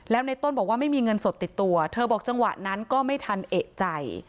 แล้วในต้นบอกว่าไม่มีเงินสดติดตัวเธอบอกจังหวะนั้นก็ไม่ทันเอกใจ